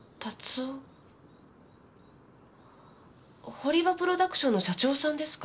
堀場プロダクションの社長さんですか？